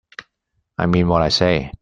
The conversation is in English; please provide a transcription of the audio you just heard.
I mean what I say.